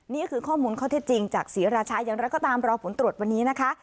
นี่คือข้อมูลข้อเท็จจริงจากศรีราชาอย่างไรก็ตามรอผลตรวจวันนี้นะคะ